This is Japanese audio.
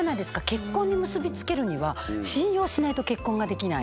結婚に結び付けるには信用しないと結婚ができない。